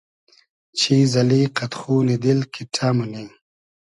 چیز اللی قئد خونی دیل کیݖݖۂ مونی